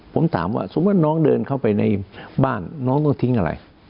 ผมถามว่าสมมุติน้องเดินเข้าไปในบ้านน้องต้องทิ้งอะไร